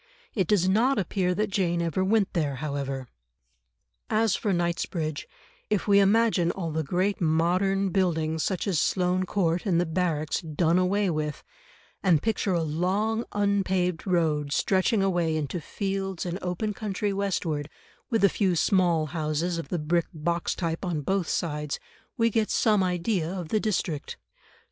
It does not appear that Jane ever went there, however. As for Knightsbridge, if we imagine all the great modern buildings such as Sloane Court and the Barracks done away with, and picture a long unpaved road stretching away into fields and open country westward, with a few small houses of the brick box type on both sides, we get some idea of the district.